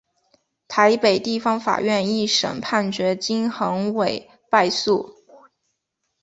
台北地方法院一审判决金恒炜败诉。